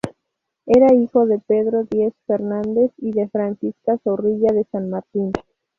Era hijo de Pedro Díez Fernández y de Francisca Zorrilla de San Martín.